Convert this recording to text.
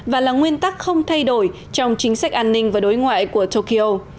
và là nguyên tắc không thay đổi trong chính sách an ninh và đối ngoại của tokyo